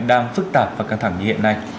đang phức tạp và căng thẳng như hiện nay